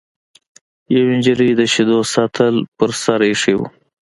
یوې نجلۍ د شیدو سطل په سر ایښی و.